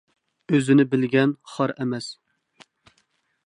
ئۆزىنى بىلگەن خار ئەمەس.